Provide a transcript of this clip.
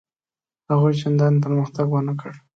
هغوی چنداني پرمختګ ونه کړ.